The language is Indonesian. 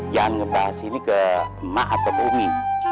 jangan ngebahas ini ke emak atau ke umi